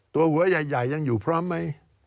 ตัวหัวใหญ่ยังอยู่พร้อมไหม